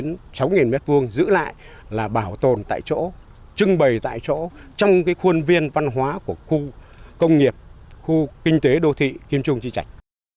chúng tôi giữ lại là bảo tồn tại chỗ trưng bày tại chỗ trong khuôn viên văn hóa của khu công nghiệp khu kinh tế đô thị kiêm trung chi trạch